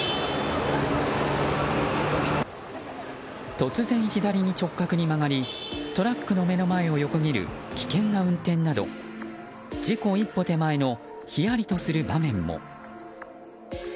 突然、左に直角に曲がりトラックの目の前を横切る危険な運転など事故一歩手前のひやりとする場面も。